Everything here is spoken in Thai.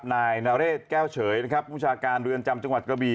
นายนเรศแก้วเฉยนะครับผู้ชาการเรือนจำจังหวัดกระบี